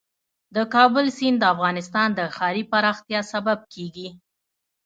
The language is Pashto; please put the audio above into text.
د کابل سیند د افغانستان د ښاري پراختیا سبب کېږي.